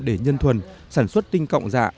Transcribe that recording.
để nhân thuần sản xuất tinh cộng dạ